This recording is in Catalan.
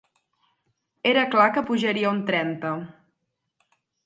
Era clar que pujaria un trenta.